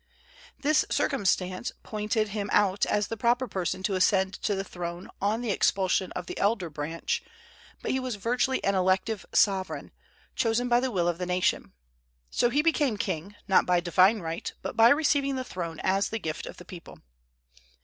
This circumstance pointed him out as the proper person to ascend the throne on the expulsion of the elder branch; but he was virtually an elective sovereign, chosen by the will of the nation. So he became king, not "by divine right," but by receiving the throne as the gift of the people.